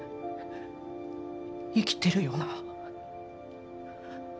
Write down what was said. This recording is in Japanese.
生きてるよな？